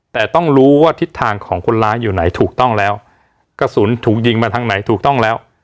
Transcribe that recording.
แต่ต้องรู้ว่าทิศทางของคนร้ายอยู่ไหนถูกต้องแล้วกระสุนถูกยิงมาทางไหนถูกต้องแล้ว